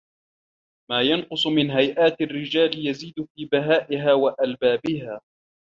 وَمَا يَنْقُصُ مِنْ هَيْئَاتِ الرِّجَالِ يَزِيدُ فِي بِهَائِهَا وَأَلْبَابِهَا